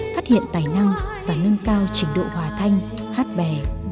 phát hiện tài năng và nâng cao trình độ hòa thanh hát bè